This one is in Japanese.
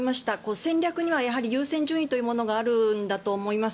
戦略には優先順位があるんだと思います。